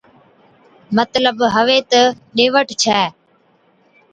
مطلب ھُوي تہ ڏي وٺ ڇَي